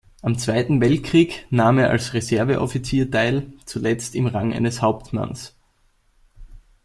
Am Zweiten Weltkrieg nahm er als Reserveoffizier teil, zuletzt im Rang eines Hauptmanns.